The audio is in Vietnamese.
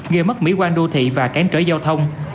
gây mất mỹ quan đô thị và cản trở giao thông